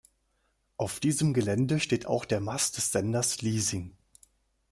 Auf diesem Gelände steht auch der Mast des Senders Liesing.